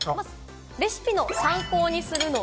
レシピの参考にするのは？